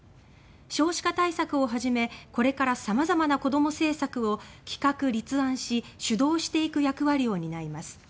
少子化対策をはじめこれからさまざまな子ども政策を企画立案し主導していく役割を担います。